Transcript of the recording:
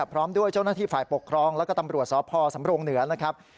พร้อมด้วยเจ้าหน้าที่ฝ่ายปกครองแล้วก็ตำรวจสพสำรงเหนือนะครับ